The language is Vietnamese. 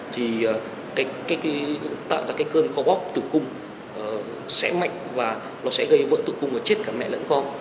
thì tạo ra cái cơn co bóp tử cung sẽ mạnh và nó sẽ gây vỡ tử cung và chết cả mẹ lẫn con